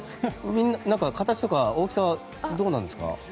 なんか形とか大きさはどうなんですか？